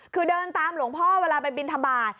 คือเดินตามหลวงพ่อเวลาไปบินทบาท